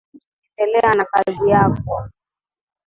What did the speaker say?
Endelea na kazi yako